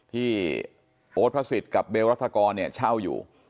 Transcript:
ที่โอ๊ตพระศิษย์กับเบลรัฐกรเช่าอยู่